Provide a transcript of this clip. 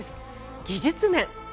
技術面。